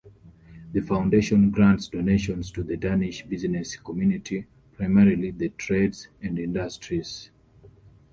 The foundation grants donations to the Danish business community, primarily the trades and industries.